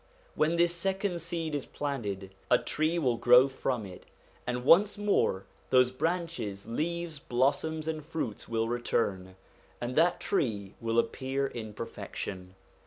When this second seed is planted a tree will grow from it, and once more those branches, leaves, blossoms, and fruits will return, and that tree will appear in perfec tion.